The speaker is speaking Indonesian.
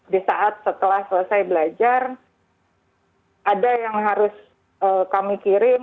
di saat setelah selesai belajar ada yang harus kami kirim